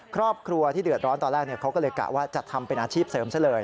ครอบครัวที่เดือดร้อนตอนแรกเขาก็เลยกะว่าจะทำเป็นอาชีพเสริมซะเลย